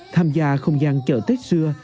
tham gia không gian chợ tết xưa